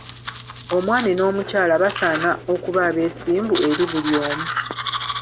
Omwami n'omukyala basaana okuba abeesimbu eri buli omu.